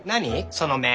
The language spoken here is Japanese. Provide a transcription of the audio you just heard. その目。